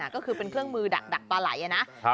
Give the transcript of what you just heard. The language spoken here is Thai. ก็คือเป็นเครื่องมือดักปลาไหลนะ